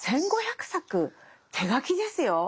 １，５００作手書きですよ！